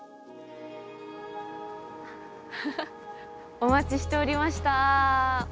お待ちしておりました。